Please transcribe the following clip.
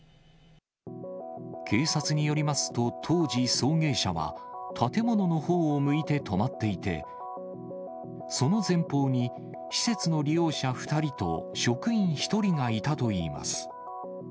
警察によりますと、当時、送迎車は建物のほうを向いて止まっていて、その前方に施設の利用者２人と職員１人がいたといいます。